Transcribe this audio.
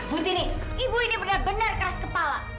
bu tini ibu ini benar benar keras kepala